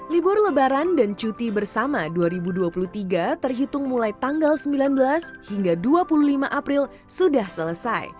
libur lebaran dan cuti bersama dua ribu dua puluh tiga terhitung mulai tanggal sembilan belas hingga dua puluh lima april sudah selesai